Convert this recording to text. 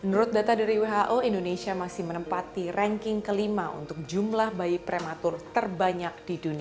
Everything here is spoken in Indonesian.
menurut data dari who indonesia masih menempati ranking kelima untuk jumlah bayi prematur terbanyak di dunia